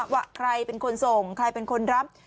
ว่าใครเป็นคนส่งใครเป็นคนรับ